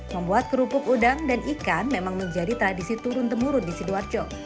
membuat kerupuk udang dan ikan memang menjadi tradisi turun temurun di sidoarjo